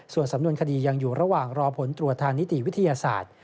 ส่วนสำนวนคดียังอยู่ระหว่างรอผลตรวจทางนิติวิทยาศาสตร์